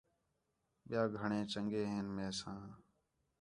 ٻِیا گھݨے چَنڳے ہِن میسان